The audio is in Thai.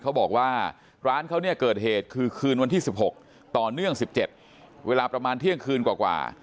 เขาบอกว่าร้านเขาเนี่ยเกิดเหตุคือคืนวันที่๑๖ต่อเนื่อง๑๗เวลาประมาณเที่ยงคืนกว่า